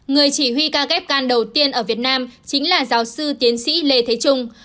người chỉ huy ca ghép gan đầu tiên ở việt nam chính là giáo sư tiến sĩ lê thế trung